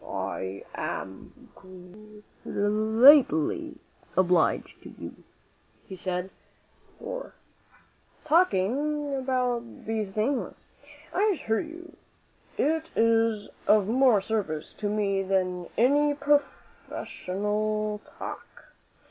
"I am greatly obliged to you," he said, "for talking about these things. I assure you it is of more service to me than any professional talk.